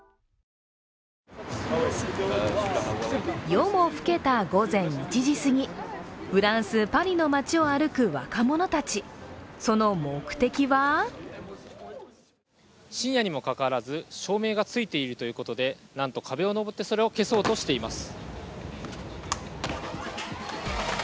夜も更けた午前１時すぎフランス・パリの街を歩く若者たち、その目的は深夜にもかかわらず、証明がついているということで、なんと壁を登って、それを消そうとしています。